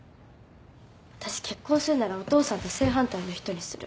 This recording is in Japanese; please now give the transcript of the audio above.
私結婚するならお父さんと正反対の人にする。